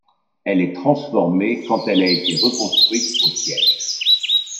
Elle est transformée quand elle a été reconstruite au siècle.